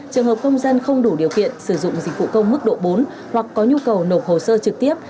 trường hợp công dân không đủ điều kiện sử dụng dịch vụ công mức độ bốn hoặc có nhu cầu nộp hồ sơ trực tiếp